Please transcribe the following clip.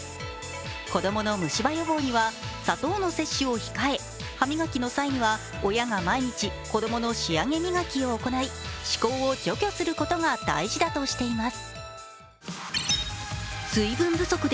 子供の虫歯予防には砂糖の摂取を控え歯磨きの際には親が毎日、子供の仕上げ磨きを行い歯垢を除去することが大事だとされています。